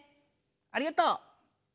ありがとう！